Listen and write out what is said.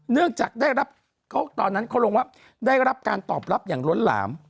เนื่องจากได้รับตอนนั้นเขาลงว่าได้รับการตอบรับอย่างล้นหลาม